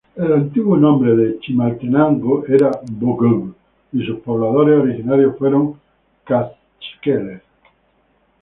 El antiguo nombre de Chimaltenango era "Boko´b", y sus pobladores originarios fueron kaqchikeles.